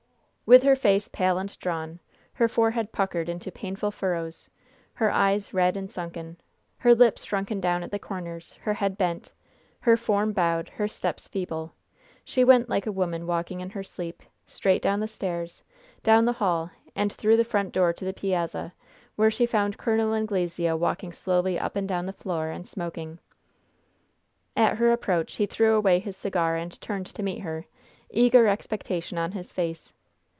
With her face pale and drawn, her forehead puckered into painful furrows, her eyes red and sunken, her lips shrunken down at the corners, her head bent, her form bowed, her steps feeble, she went like a woman walking in her sleep, straight down the stairs, down the hall and through the front door to the piazza, where she found Col. Anglesea walking slowly up and down the floor and smoking. At her approach he threw away his cigar and turned to meet her, eager expectation on his face.